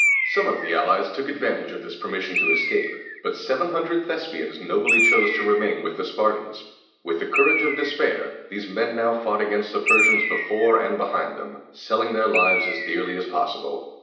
Some of the allies took advantage of this permission to escape, but seven hundred Thes´pi ans nobly chose to remain with the Spartans. With the courage of despair, these men now fought against the Persians before and behind them, selling their lives as dearly as possible.